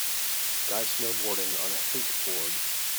Guy snowboarding on a HATE board